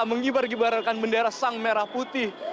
mengibar gibarkan bendera sang merah putih